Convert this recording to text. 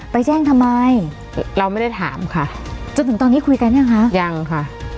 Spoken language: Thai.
ไปแจ้งทำไมเราไม่ได้ถามค่ะจนถึงตอนนี้คุยกันยังคะยังค่ะ